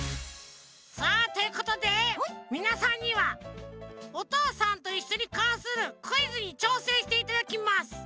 さあということでみなさんには「おとうさんといっしょ」にかんするクイズにちょうせんしていただきます。